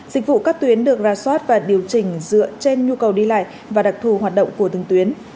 dịch vụ các tuyến được ra soát và điều chỉnh dựa trên nhu cầu đi lại và đặc thù hoạt động của từng tuyến